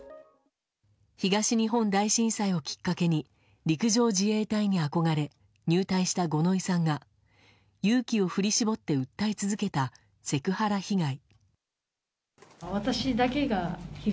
東日本大震災をきっかけに陸上自衛隊に憧れ入隊した五ノ井さんが勇気を振り絞って訴え続けたセクハラ被害。